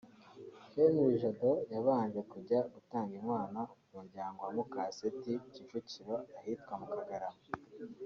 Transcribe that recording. Henri Jado yabanje kujya gutanga inkwano mu muryango wa Mukaseti Kicukiro ahitwa mu Kagarama